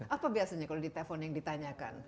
apa biasanya kalau di telpon yang ditanyakan